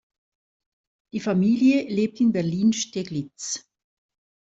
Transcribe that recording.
Die Familie lebt in Berlin-Steglitz.